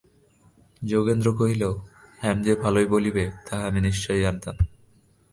যোগেন্দ্র কহিল, হেম যে ভালোই বলিবে, তাহা আমি নিশ্চয় জানিতাম।